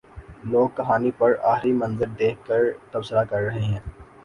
لوگ کہانی پر آخری منظر دیکھ کر تبصرہ کر رہے ہیں۔